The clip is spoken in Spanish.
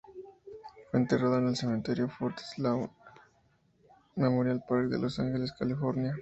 Fue enterrado en el Cementerio Forest Lawn Memorial Park de Los Ángeles, California.